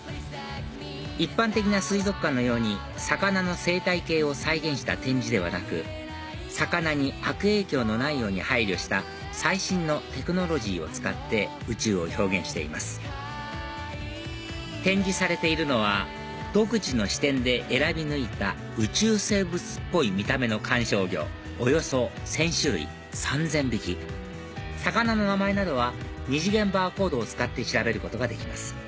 一般的な水族館のように魚の生態系を再現した展示ではなく魚に悪影響のないように配慮した最新のテクノロジーを使って宇宙を表現しています展示されているのは独自の視点で選び抜いた宇宙生物っぽい見た目の観賞魚およそ１０００種類３０００匹魚の名前などは二次元バーコードを使って調べることができます